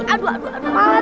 aduh aduh aduh